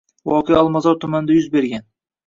Voqea Olmazor tumanida yuz bergan